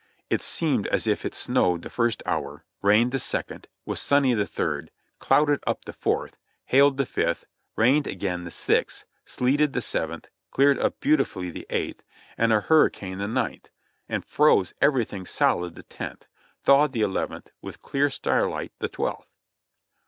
It seemed as if it snowed the first hour, rained the second, was sunny the third, clouded up the fourth, hailed the fifth, rained again the sixth, sleeted the seventh, cleared up beautifully the eighth, and a hurricane the ninth, and froze everything solid the tenth, thawed the eleventh, with clear starlight the twelfth.